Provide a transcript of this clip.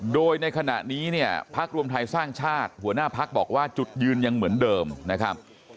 โดยในขณะนี้เนี่ยพักรวมไทยสร้างชาติหัวหน้าพักบอกว่าจุดยืนยังเหมือนเดิมนะครับ